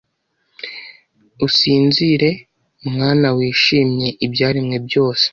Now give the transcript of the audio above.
usinzire mwana wishimye Ibyaremwe byose